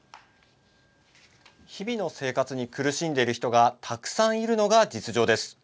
日々の生活に苦しんでいる人がたくさんいるのが実情です。